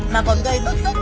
mà còn gây bức xúc